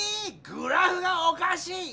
⁉グラフがおかしい？